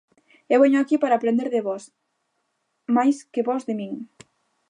Eu veño aquí para aprender de vós, máis que vós de min.